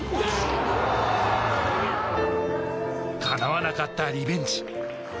叶わなかったリベンジ。